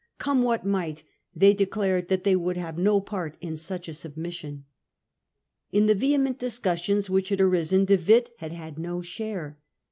Come what might, they declared that they would have no part in such a submission. In the vehement discussions which had arisen De Witt had had no share.